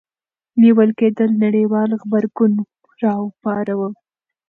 نیول کېدل نړیوال غبرګون راوپاروه.